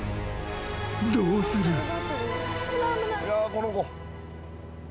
［どうする？］